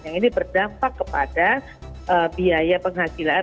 yang ini berdampak kepada biaya penghasilan